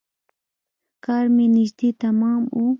کار مې نژدې تمام و.